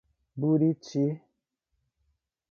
Buriti